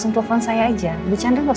sudah tidak gerisah lagi